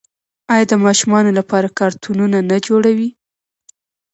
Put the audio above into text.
آیا د ماشومانو لپاره کارتونونه نه جوړوي؟